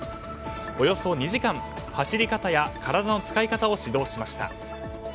およそ２時間、走り方や体の使い方を指導しました。